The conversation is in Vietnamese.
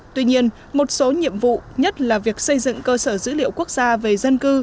tuy nhiên một số nhiệm vụ nhất là việc xây dựng cơ sở dữ liệu quốc gia về dân cư